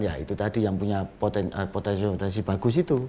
ya itu tadi yang punya potensi potensi bagus itu